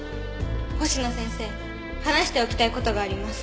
星名先生話しておきたい事があります。